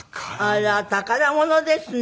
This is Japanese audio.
あら宝物ですね。